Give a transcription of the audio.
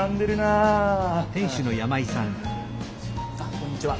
あっこんにちは。